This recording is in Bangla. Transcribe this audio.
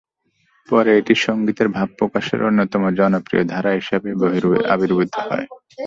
পরে এটি সংগীতের ভাব প্রকাশের অন্যতম জনপ্রিয় ধারা হিসেবে আবির্ভূত হয়।